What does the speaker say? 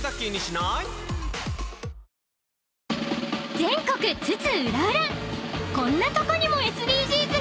［全国津々浦々こんなとこにもＳＤＧｓが！］